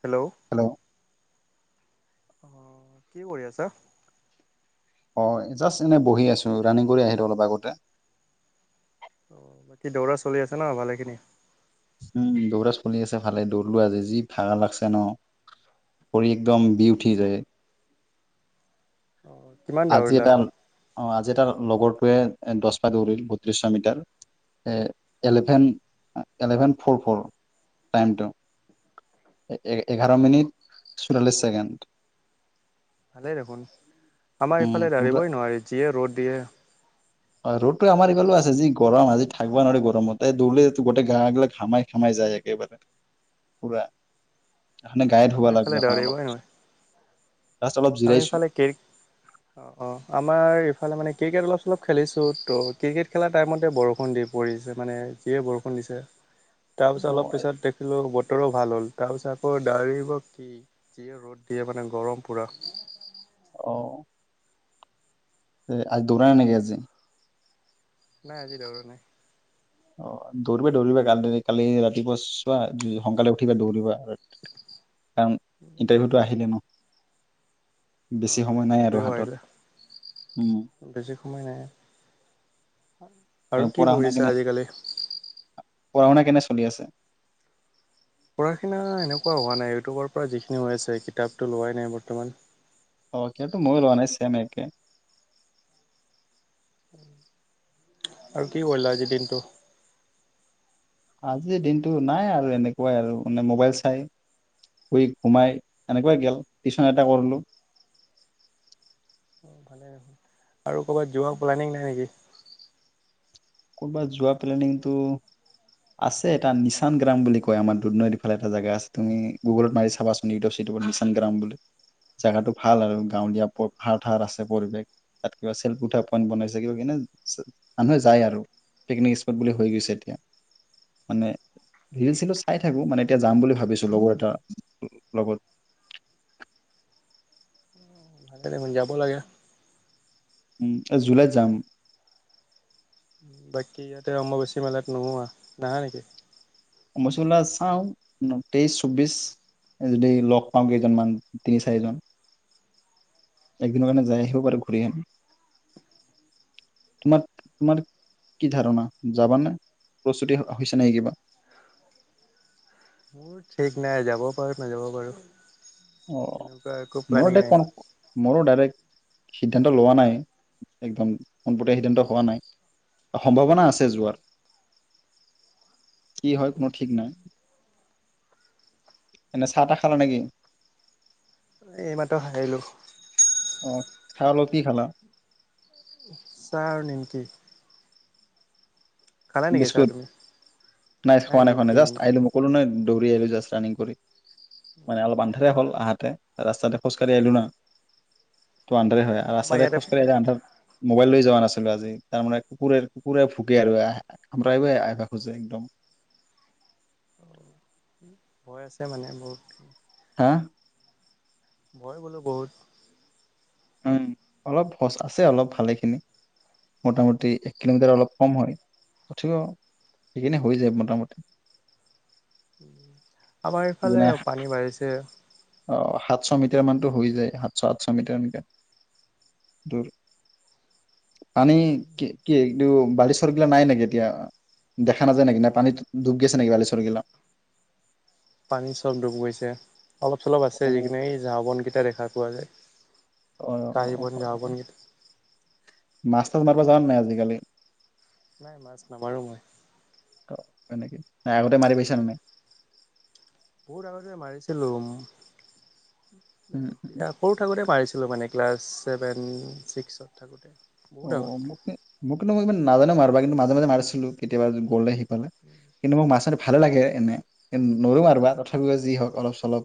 Hello আহ কি কৰি আছা। অ জাষ্ট এনেই বহি আছো ৰানিং কৰি আহিলো অলপ আগতে। অ বাকী দৌৰা চলি আছে ন ভালেখিনি। উম দৌৰা চলি আছে ভালে দৌৰলো যে যি ভাগা লাগছে ন খৰি একদম বি উঠি যায়। অ কিমান আজি দৌৰিলা এটাল অ আজি এটাল। লগৰটোৱে দহ পৌৰিল বত্ৰিছশ metre eleven eleven four four টাইমটো এঘাৰ মিনিট চৌৰাল্লিছ ছেকেণ্ড। ভালে দেখোন। আমাৰ উম ইফালে পুৰা দ়বই নোৱাৰি যিয়ে ৰ'দ দিয়ে। ৰ'দটো আমাৰ এইফালেও আছে যি গৰম আজি থাকিব নোৱাৰি গৰমত তাই দৌৰিলে গোটেই গা গিলাক ঘামাই খামাই যায় একেবাৰে পুৰা। এখে অ গাই ধুবা আমাৰ লাগিব ইফালে এ অলপ পিছত অলপ জিৰাইছো আমিফালে কে। অ অঁ আমাৰ ইফালে মানে ক্ৰিকেট অলপ চলপ খেলিছোঁ ত' ক্ৰিকেট খেলাৰ টাইমতে বৰষুণ দি পৰিছে মানে যিয়ে বৰষুণ দিছে। তাৰ পিছত অ অলপ পিছত দেখিলো বতৰো ভাল হ'ল, তাৰ পিছত আকৌ দৰিব কি যিয়ে ৰ'দ দিয়ে মানে গৰম পুৰা আহ। তে আজ দৰানে গে আজি নাই আজি দৌৰ নাই। অ দৌৰিবা দৌৰিবা কালি কালি ৰাতিপুৱা চোৱাা সোনকালে উঠিবা, দৌৰিবা কাৰণ ইণ্টাৰভিউটো আহিলে ন। অঁ বেছি অঁ সময় নাই এটক আৰু হাতত আহিল উম বেছি সময় নাই। আৰু কি কৰিছো আজিকালি। পঢ়াওনা কেনে চলি আছে? পঢ়া শুনা এনেকুৱা হোৱা নাই ইউটিউবৰ পৰা যিখিনি হৈ আছে কিতাপটো লোৱাই নাই বৰ্তমান। অ কিন্তু মই লোৱা নাই চেম একেই আৰু কি কৰিল আজিৰ দিনটো আজিৰ দিনতটো নাই আৰু এনেকুৱাই আৰু মানে মোবাইল চাই শুই ঘোমাই এনেকুৱাই গল টিউচন এটা কৰিলো। ভালে দেখোন আৰু কৰ'ৰবাত যোৱা প্লোনিং নাই নেকি‌? কোনোবা যোৱা প্লেনিংটো আছে এটা নিচান গ্ৰাম বুলি কয় আমাৰ দুনৈফালে এটা জেগা আছে তুমি গুগলত মাৰি চাবাচোন ইউটিউব চিটিউবত নিচান গ্ৰাম বুলি জেগাটো ভাল আৰু গাঁৱলীয়াাৰ পথাৰ আছে পৰিৱেশ তাত কিবা চেলুঠা পইণ্ট বনাইছে কিবা কেনে মানুহে যায় আৰু পিকনিক স্পট বুলি হৈ গৈছে এতিয়া মানে ৰিল চিলো চাই থাকো মানে এতিয়া যাম বুলি ভাবিছো লগৰ এটাৰ লগত এই যাব লাগে। উম এই জুলাই যাম, বাকী ইয়াতে অম্ব বেছি মেলাত নোহোৱা নাহা নেকি? অম্বুবাচী মেলা চাওঁ তেইশ চৌবিশ যদি লগ পাওঁ কেইজনমান তিনি চাৰিজন একদিনৰ কাৰণে যাই আহিব পাৰো ঘূৰি আহিম তোমাৰ তোমাৰ কি ধাৰণা যাবানে প্ৰস্তুতি হৈছে নাই কিবা মোৰ ঠিক নাই যাব পাৰো নাযাব পাৰো। অ মোৰ এতিয়া ক মোৰ ডাইৰেক্ট সিদ্ধান্ত লোৱা নাই একদম পোনপটীয়া সিদ্ধান্ত হোৱা নাই সম্ভাৱনা আছে যোৱাৰ কি হয় কোনো ঠিক না ই এনে চাহ তাহ খালা নেকি? এই মাত্ৰ খাই আহিলোঁ। অ, চাহৰ লগত কি খালা? চাহ আৰু নিমকি। খালা নেকি চাহ বিস্কুট, তুমি? নাই খোৱা নাই খোৱা নাই। নিমকি জাষ্ট নিমকি আহিলো, মই কলো নহয় দৌৰি আহিলোঁ জাষ্ট ৰানিং কৰি। মানে অলপ আন্ধাৰে হ'ল আহোতে, ৰাস্তাতে খোঁচ কাৰি আহিলোঁ ন। টো হয় হয়, আৰু আমাৰ ৰাস্তাৰে ইয়াতে খোজ কাঢ়ি আহোতে আন্ধাৰ মোবাইল লৈ যোৱা নাছিলো আজি। তাৰমানে কুকুৰে, কুকুৰে ভুকে আৰু আহ। কামুৰিবলে আহিব আহে খুজে একদম। হৈ আছে মানে বহুতখিনি। হা? মই বোলো বহুত, উ অলপ সচ, আছে অলপ ভালেখিনি। মোটামুটি, এক কিলোমিটাৰ অলপ কম হয়। তথাপিও, সেইখিনি হৈ যায় মোটামুটি। আমাৰ ইফালে যেনে পানী বাঢ়িছে। অ, সাতশ মিটাৰ মানতো হৈ যায়। সাতশ আঠশ মিটাৰ এনেকে। তোৰ। পানী কি, কি এইটো বালিচৰগিলা নাই নেকি এতিয়া? দেখা নাযায় নেকি? নে পানীত ডুব গৈছে নেকি বালিচৰগিলা? পানীত চব ডুব গৈছে। অলপ চলপ আছে অ যিখিনি এই জাব নেকি এটা দেখা পোৱা যায়। অ অ অ কাহিবন যাওঁবন হয়। কে থাকে। মাছ কাছ মাৰিব যাৱ নাই আজিকালি? নাই মাছ নামাৰো মই। ত এনেকে। নাই আগতে মাৰি পাইছা নে নাই? বহুত আগতে মাৰিছিলো, উম। উম উম এতিয়া, সৰু থাকোতে মাৰিছ ছিলোঁ মানে ক্লাছ ছেভেন ছিক্সত থাকোঁতে। অ বহুত আগত মোক নো, মোক নো ইমান নাজানো মাৰিব। কিন্ত মাজে মাজে মাৰিছিলো কেতিয়াবা গ'লে সেই মানে? কিন্তু মই মাছ আনি ভালে লাগে এনেই, নোৱাৰোঁ আৰু বা, তথাপিও যি হওক অলপ চলপ।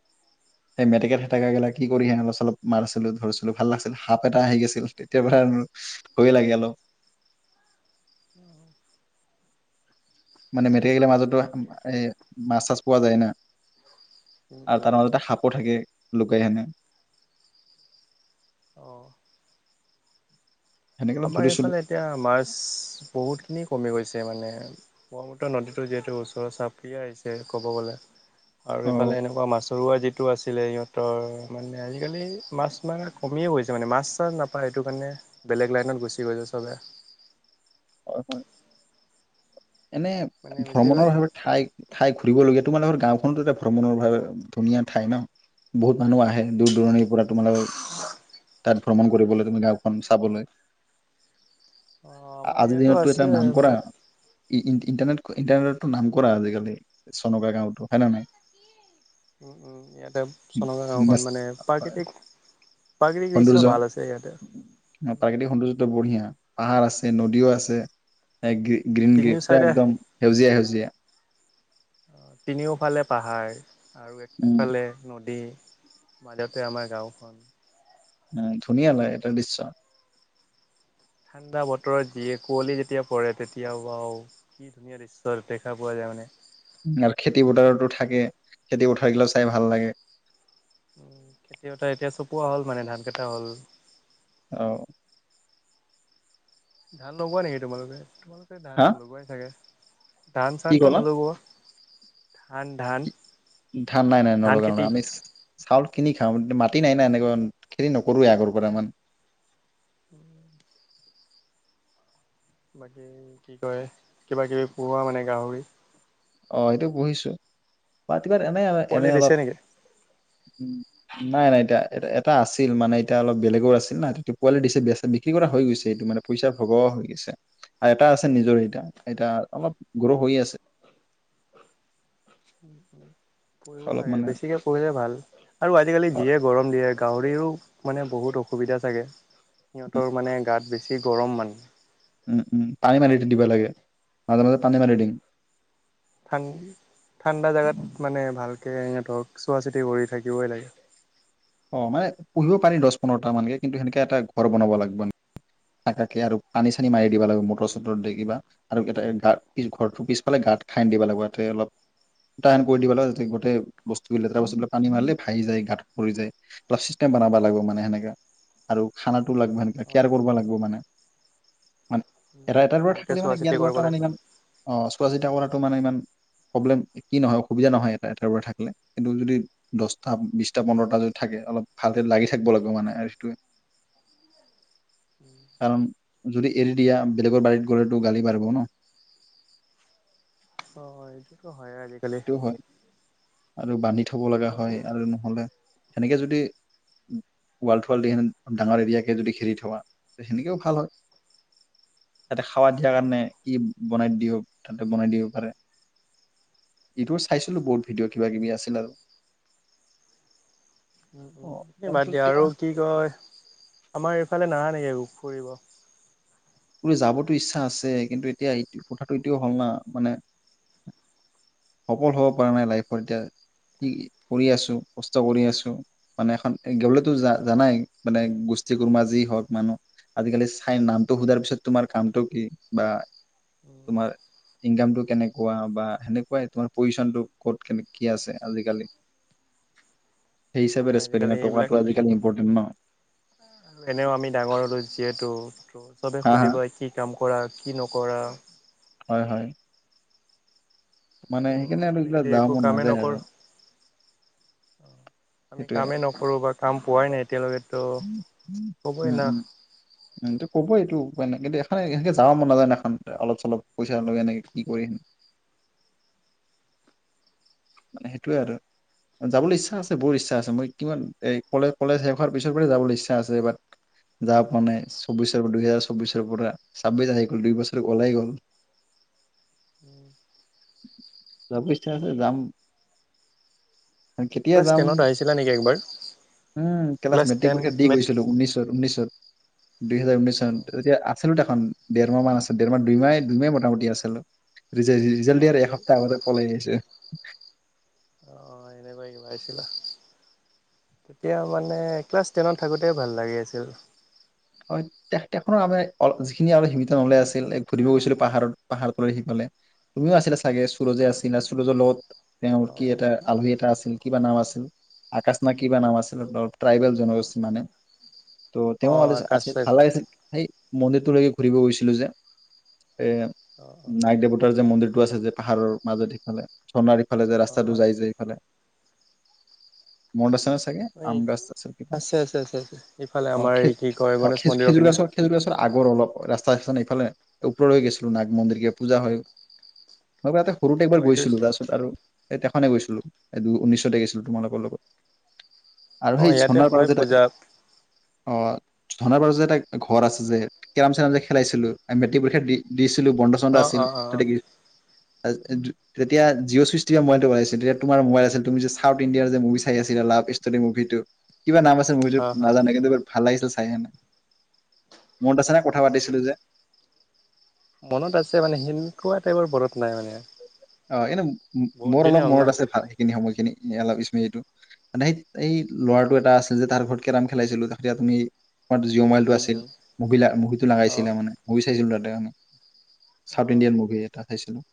সেই মেটেকাে থেটেকা গিলা কি কৰি হেনেকোৱা অলপ চলপ মাৰিছিলোঁ, ধৰিছিলোঁ, ভাল লাগিছিল, সাপ এটা আহি গৈছিল, তেতিয়াৰ পৰা আৰু ভয় লাগে অলপ মানে মেটেকা গিলাৰ মাজতো ঠিকে এ মাছ চাছ পোৱা যায় না, উম, আৰু উম। তাৰ মাজতে সাপো থাকে, লুকাইকিনে। অ', আমাৰ এইফালে এতিয়া মাছ, বহুতখিনি কমি গৈছে মানে পৰ্বতৰ নদীটো যিহেতু, ওচৰ চাপিয়ে আহিছে ক'ব গ'লে। আৰু অ এইফালে এনেকুৱা মাছৰোৱা যি টো আছিলে সিহঁতৰ, মানে আজিকালি মাছ মাৰা কমিয়ে গৈছে মানে, মাছ চাছ নাপাই, এইটো কাৰণে বেলেগ লাইনত গুছি গৈছে চবে। হয়, হয়। এনে, মানে ভ্ৰমণৰ বেছিভাগ ভাৱে ঠাই, ঠাই ঘূৰিবলগীয়া, তোমালোকৰ গাঁওখনতো, এটা ভ্ৰমণৰ বাবে ধুনীয়া ঠাই ন। বহুত মানুহ আহে, দূৰ দূৰণিৰ পৰা, তোমালোকৰ তাত ভ্ৰমণ কৰিবলৈ, তুমি গাঁওখন চাবলৈ অ' আমাৰ আজি ইয়াতো দিনতটো এটা আছে নাম কৰা মানে ইণ্টাৰনেট, ইণ্টাৰনেটো [inaudible] কৰা আজিকালি, চনকা [unintelligible] হয়নে নহয়। উ! উম, ইয়াতে, চনগ গাঁওখন নেচ- মানে, হয়। প্ৰাকৃতিক প্ৰাকৃতিক দৃশ্য সৌন্দৰ্য ভাল আছে। ইয়াতে, উ! প্ৰাকৃতিক সৌন্দৰ্যটো বঢ়িয়া পাহাৰ আছে। আছে, নদীও আছে। গ্ৰীণ [unintelligible] তিনিও পুৰা চাইডে একদম সেউজীয়া, সেউজীয়া। অ' তিনিওফালে পাহাৰ। আৰু উম একফালে নদী। মাজতে আমাৰ গাঁওখন। উ! ধুনীয়া লাগে এইটো দৃশ্য। ঠাণ্ডা বতৰত, যিয়ে, কুঁৱলী যেতিয়া পৰে, তেতিয়া, ৱাও! কি ধুনীয়া দৃশ্য দেখা পোৱা যায়। মানে আৰু খেতি পথাৰতো থাকে, খেতি পথাৰ গিলাক চাই ভাল লাগে। উ! খেতি এতিয়া চপোৱা হ'ল। মানে, ধান কেইটা হ'ল। অ'। ধান লগোৱা নেকি? তোমালোকে, ধান হা নলগোৱাই চাগে। ধান কি চানটো ক'লা নলগোৱা? ধান, ধান। ধান, নাই নাই ধান নলগাও খেতি আমি, চাউল কিনি খাওঁ, মাটি নাই না এনেকুৱা, খেতি নকৰোৱে আগৰ পৰা ইমান। বাকী, কি কয়, কিবা কিবি পোহা মানে গাহৰি। অ' সেইটো পুহিছো। [unintelligible] এনে, এনে পোৱালি অলপ, দিছে নেকি উ! নাই নাই এতিয়া, এ এটা আছিল মানে, এতিয়া, অলপ বেলেগৰ আছিল না, এতিয়া পোৱালি দিছে বিক্ৰী কৰা হৈ গৈছে। এইটো, মানে পইচাৰ ভগৱা হৈ গৈছে আৰু এটা আছে, নিজৰ এতিয়া এয়া অলপ সৰু হৈ আছে। পঢ়িব অলপ লাগে, মানে বেছিকে পঢ়িলে ভাল আৰু আজিকালি যিয়ে হয় গৰম দিয়ে গাহৰিও মানে, বহুত অসুবিধা চাগে, সিহঁতৰ মানে, গাত বেছি গৰম মানে উম উম, পানী মানি দিব লাগে। মাজে মাজে পানী উম, মাৰি দিম। ঠাণ্ডা জাগাত। মানে ভালকৈ সিহঁতৰ চোৱা চিতি কৰি থাকিব লাগে। অ, মানে পুহিব পাৰি দশ পোন্ধৰটা মানকে কিন্তু সেনেকে এটা ঘৰ বনাব লাগিব। থাকে আৰু পানী চানী মাৰি দিবা লাগিব মটৰ চটৰ দি কিবা আৰু এ গ পিছ ঘৰটো পিছফালে গাঁত খাই দিবা লাগিব তাতে অলপ উটায়ন কৰি দিব লাগে যাতে গোটেই বস্তুব লেতেৰা বস্তুবিলাক পানী মাৰিলে ভাহি যায় গাঁত পৰি যায়। প্লাছ চিষ্টেম বনাবা লাগিব মানে সেনেকে আৰু খানা। লাগিব এনেকে অ কেয়াৰ কৰিব লাগিব মানে। মানে উম, উম, এটা দুটা, ভালকে থাকিলে মানে চোৱা চিতি ইয়াত কৰিব লাগে মানে ইমান অ চোৱা চিতা কৰা। মানে ইমান প্ৰব্লেম কি নহয় অসুবিধা নহয় এটা এটা কৰি থাকিলে কিন্তু যদি দচটা বিশটা পোন্ধৰ য। থাকে অলপ ভালকে লাগি থাকিব লাগিব মানে, সেইটোৱে কাৰণ যদি এৰি দিয়া বেলেগৰ বাৰীত গলেতো গালি পাৰিব ন। ক [inaudible] হয় আজিকালি। সেইটো হয় আৰু বান্ধি থ থব আৰু লগা হয় আৰু নহলে সেনেকে যদি, ৱালথুৱাল দি সে ডাঙৰ এৰিয়াকে যদি খেৰি থোৱা, সেনেকেও ভাল হয়, তাতে খাৱা দিয়া কাৰণে কি বনাই দিয়ও তাতে বনাই দিব পাৰে। ইটো চাইছিলো বহুত ভিডিঅ' কিবা কিবি আছিল আৰু। উম, অ বাদ তাৰপিছত দিয়া এতিয়া আৰু কি কয়, আমাৰ এইফালে নাহা নেকি এইবাৰ ফুৰিব। বোলে যাবতো ইচ্ছা আছে কিন্তু এতিয়াটো কথাটো এতিয়াও হ'ল না মানে সফল হব পৰা নাই লাইফৰ এতিয়া, কি কৰি আছো, কষ্ট কৰি আছো, মানে এখন গলেতো জানাই মানে গোষ্ঠী কৰ্মা যি হওক মানুহ আজিকালি চাই নামটো সোধাৰ পিছত তোমাৰ কামটো কি বা উম, তোমাৰ ইনকামটো কেনেকুৱা বা সেনেকুৱাই। তোমাৰ পজিচনটো ক'ত কে কি আছে আজিকালি, সেই এইটো হয় আজিকালি হিচাপেৰে এইবিলাক টকাটো মানে আজিকালি ইম্পৰ্টেণ্ট ন। এনেও আমি ডাঙৰ হলোঁ যিহেতু- ত' চবে হা হা সুধিবই কি কাম কৰা, কি নকৰা? হয় হয়। ত' মানে? এনে আৰু আমি কিবা যদি যাব একো মন কামেই নাযায় নকৰোঁ আৰু। আমি সেইটোয়ে কামেই নকৰোঁ বা কাম পোৱাই নাই এতিয়ালৈকেতো, হ'বই না কব এইটো মানে কিন্তু এখন এনেকে যাব মন নযায় ন এখন অলপ চলপ পইচা লৈ এনেকে কি কৰি মানে সেইটোৱে আৰু, যাবলৈ ইচ্ছা আছে বহুত ইচ্ছা আছে, মই কিমান এ কলে কলেজ শেষ হোৱাৰ পিছৰ পৰাই যাবলৈ ইচ্ছা আছে, ব যা পোৱা নাই চৌবিশৰ পৰা দুইহেজাৰ চৌবিশৰ পৰা ছাব্বিশ আহি গল দুই বছৰ ওলাই গল, যাবলৈ ইচ্ছা আছে যাম। কেতিয়া ক্লাছ যাম, টেনত আহিছিলা নেকি একবাৰ উম ক্লাছ মেট্ৰিক টেন পৰীক্ষাত দি মেট গৈছিলো উনৈশত ঊনৈশত। দুইহেজাৰ ঊনৈশ চন অ', তেতিয়া আছিলো ত দে এখন ডেৰমাহ মান আছে, ডেৰ মাহ দুইমাহ দুইমাহ মোটামুটি আছিলো। জ ৰিজাল্ট অ', দিয়াৰ আৰু এনে এসপ্তাহ আগতে পলাই আহ আহিছে। উ [inaudible] অ এনেকুৱা কিবা হৈছিল, তেতিয়া মানে ক্লাছ টেনত থাকোঁতে ভাল লাগি আছিল। তেখনৰ আম অ যিখিনি আৰু সীমিত নলে আছিল এক ঘুৰিব গৈছিলো পাহাৰত পাহাৰ লৈ সিফালে, তুমিও আছিলা চাগে সুৰজে আছিলা সুৰজৰ লগত তেওঁৰ কি অ'। এটা আলহী এটা আছিল কিবা নাম আছিল আকাশ না কিবা নাম আছিল অলপ ট্ৰাইবেল জনগোষ্ঠী মানে। ত অ তেওঁ আলিছা আকাশ আছে ভাল চাইছিল লাগিছে, সেই মন্দিৰটোলৈকে ঘূৰিব গৈছিলোঁ যে এ, অ নাইক দেৱতাৰ যে মন্দিৰ টো আছে যে পাহাৰৰ মাজত সিফালে, চনাৰী ইফালে যে অ অ ৰাস্তাটো অ যাই যে এইফালে মডচা এই, আছে আছে আছে আছে, ইফালে অ আমাৰ এই খেজ কি ক অ খ খেজুৰ গছৰ, খেজুৰ গছৰ আগৰ অলপ ৰাস্তা এইফালে ওপৰলৈ গেছিলোঁ নাগ মন্দিৰ কে পূজা হৈ, মই বো সৰুটে অ একবাৰ এইটো গৈছিলোঁ তাৰছত আৰু এ তেখনে গৈছিলো। এ দুই উঊচতে গেছিলোঁ তোমালোকৰ লগত। আৰু অ সেই ইয়াতে ঝৰ্নাৰ পাৰত হয় যে এটা, পূজা অ ধনাবাৰৰ যে এটা ঘৰ আছে যে, কেৰাম চেৰাম যে খেলাইছিলো আমি মেটিক পৰীক্ষা দি-দিছ লো বন্দা চন্দা অ আছিল। অ অ অ তাতে, অ য যেতিয়া জিঅ' চুইচ টিপা মোবাইলটো অলাইছিল, তেতিয়া তোমাৰ মোবাইল আছিল তুমি যে চাউথ ইণ্ডিয়াৰ যে মুভি চাই আছিলা লাভ ষ্টৰি মুভিটো। কিবা নাম আছে মুভিতো হা হা নাজানো কিন্তু ভাল লাগিছিল চা চাইকেনে মনত আছে নে কথা পাতিছিলোঁ যে? মনত আছে মানে সেনকুৱা টাইপৰ মনত নাই মানে। অ, এনে বহুত মো-মোৰ দিনে অলপ হ'ল না মনত আছে ভাল সেইখিন সময় কেনে, সেইয়া অলপ স্মৃতিটো। মানে সেই এই ল'ৰাটো এটা আছিল যে তাৰ ঘৰত কেৰাম খেলাইছিলো তাতে আপুনি তোমাৰতো জিঅ' উম মোবাইলটো উম আছিল। উম মুভি মুভিটো অ লাগাইছিলে মানে, মুভি চাইছিলো তাতে আমি। অ চাউথ ইণ্ডিয়ান মুভি এটা চাইছিলোঁ।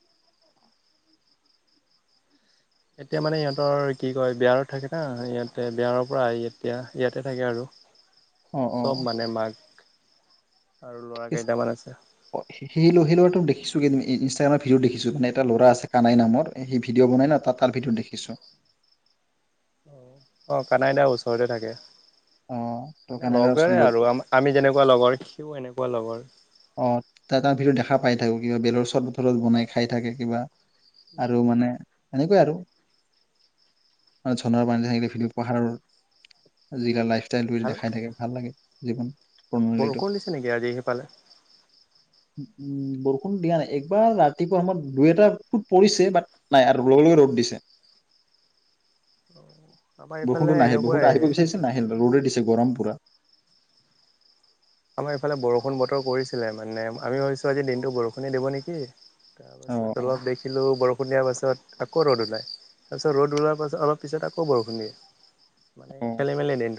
এতিয়া মানে ইহঁতৰ কি কয়, বিহাৰত থাকে না ইয়াতে বিহাৰৰ পৰা আহি এতিয়া ইয়াতে থাকে আৰু। অ চব মানে মাক আৰু ল'ৰা কিচ, কেইটামান আছে অঁ সে-সেই-সেই লৰাটো দেখিছো ই-ইনষ্টাগ্ৰামত ভিডিঅ দেখিছোঁ, মানে এটা ল'ৰা আছে কানাই নামৰ সি ভিডিঅ' বনাই ন, তাত তাৰ ভিডিঅত দেখিছোঁ। অ, কানাই দা ওচৰতে থাকে। অ ত মানে কানাইৰ ওচৰত লগৰে ল'ল- আৰু আ-আমি যেনেকুৱা লগৰ সিও এনেকুৱা লগৰ। অ, তা-তাৰ ভিতৰত দেখা পাই থাকো। কিবা বেলৰ চৰবত তৰবত বনাই খাই থাকে কিবা। আৰু উম মানে সনেকুৱাই আৰু, আৰু ঝৰ্ণাৰ পানী থাকিলে ভিদিঅ পাহাৰৰ আজিকাল লাইফ তাইটো ভাল দেখাই থাকে, ভাল লাগে। জীৱন প্ৰণালীটো বৰষুণ দিছে নেকি আজি সিফালে? উ উ, বৰষুণ দিয়া নাই। একবাৰ ৰাতিপুৱা সময়ত দুই এটা টোপ পৰিছে, বাট নাই আৰু লগে লগে ৰ'দ দিছে। আমাৰ এইফালে বৰষুণটো নাহিল, এনেকুৱাই বৰষুণটো আহিব বিচাৰিছিল নাহিল, ৰ'দে দিছে গৰম পুৰা আমাৰ ইফালে বৰষুণ বতৰ কৰিছিলে মানে আমি ভাবিছো আজি দিনটো বৰষুণে দিব নেকি। তাৰ পাছত অ', অলপ দেখিলো, বৰষুণ দিয়াৰ পাছত আকৌ ৰ'দ ওলায় তাৰপিছত ৰ'দ আকৌ ৰ'দ ওলাই ৰ'দ ওলোৱাৰ পাছত অলপ পিছত আকৌ বৰষুণ দিয়ে মানে অ'। খেলে মেলে দিনটো